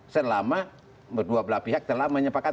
selama berdua belah pihak telah menyepakkan